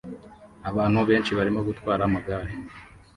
Abantu benshi barimo gutwara amagare